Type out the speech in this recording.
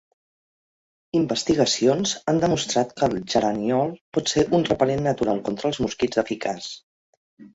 Investigacions han demostrat que el geraniol pot ser un repel·lent natural contra els mosquits eficaç.